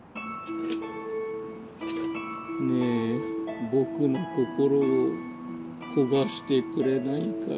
ねえぼくの心をこがしてくれないかい？